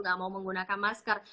gak mau menggunakan masker